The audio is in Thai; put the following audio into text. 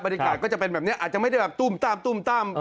ก็จะเป็นแบบนี้อาจจะไม่ได้แบบตุ้มตั้มตุ้มตั้ม